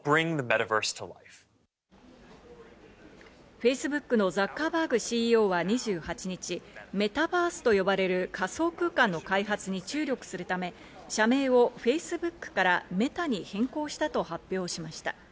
ＦａｃｅｂｏｏｋのザッカーバーグＣＥＯは２８日、メタバースと呼ばれる仮想空間の開発に注力するため、社名をＦａｃｅｂｏｏｋからＭｅｔａに変更したと発表しました。